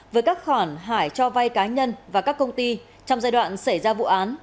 với các khoản hải cho vay cá nhân và các công ty trong giai đoạn xảy ra vụ án